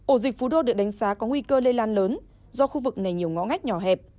ổ dịch phú đô được đánh giá có nguy cơ lây lan lớn do khu vực này nhiều ngõ ngách nhỏ hẹp